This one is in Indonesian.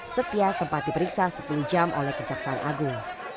setia sempat diperiksa sepuluh jam oleh kejaksaan agung